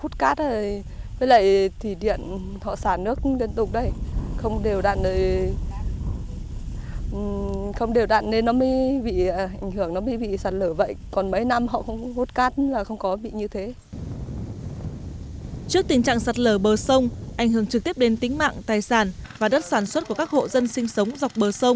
trước tình trạng sạt lở bờ sông ảnh hưởng trực tiếp đến tính mạng tài sản và đất sản xuất của các hộ dân sinh sống dọc bờ sông